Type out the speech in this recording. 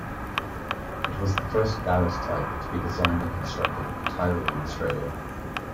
It was the first Garatt type to be designed and constructed entirely in Australia.